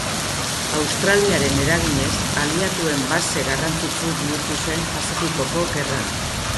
Australiaren eraginez, aliatuen base garrantzitsu bihurtu zen Pazifikoko Gerran.